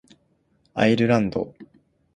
アイルランド